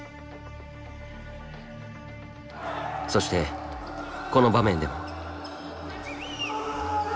そしてこの場面でも。